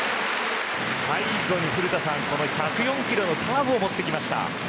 最後に古田さん１０４キロのカーブをもってきました。